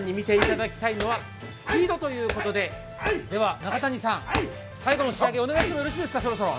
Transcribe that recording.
では、中谷さん、最後の仕上げをお願いしてもよろしいですか。